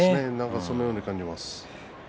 そのように感じます。